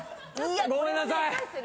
ごめんなさい！